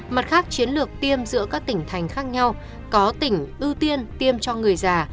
mặt khác chiến lược tiêm giữa các tỉnh thành khác nhau có tỉnh ưu tiên tiêm cho người già